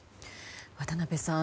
渡辺さん